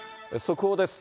速報です。